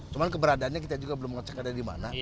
cuma keberadaannya kita juga belum mengecek ada di mana